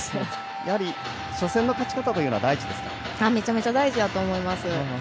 やはり初戦の勝ち方がめちゃめちゃ大事だと思います。